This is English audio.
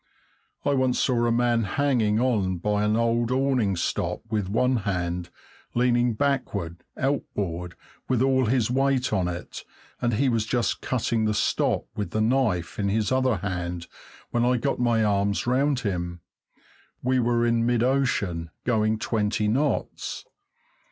I once saw a man hanging on by an old awning stop with one hand, leaning backward, outboard, with all his weight on it, and he was just cutting the stop with the knife in his other hand when I got my arms round him. We were in mid ocean, going twenty knots.